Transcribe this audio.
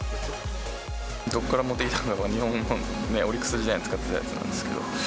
どこから持ってきたのか、日本の、オリックス時代に使ってたやつなんですけど。